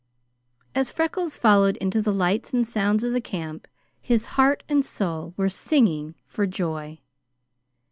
As Freckles followed into the lights and sounds of the camp, his heart and soul were singing for joy.